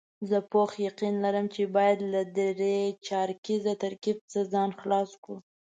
زه پوخ یقین لرم چې باید له درې چارکیز ترکیب ځان خلاص کړو.